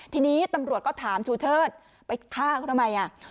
ทีนี้ตำรวจก็ถามชูเชิดไปฆ่าเขาทำไมอ่ะ